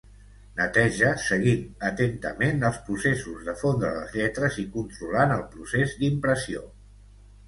Neteja seguint atentament els processos de fondre les lletres i controlant el procés d'impressió.